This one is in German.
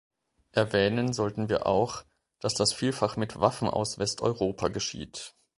Erwähnen sollten wir auch, dass das vielfach mit Waffen aus Westeuropa geschieht.